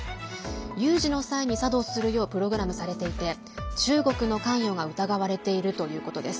有事の際に作動するようプログラムされていて中国の関与が疑われているということです。